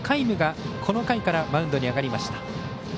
夢が、この回からマウンドに上がりました。